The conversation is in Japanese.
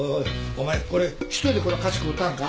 お前これ１人でこの菓子食うたんか？